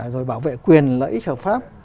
rồi bảo vệ quyền lợi ích hợp pháp